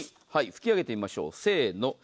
拭き上げてみましょう。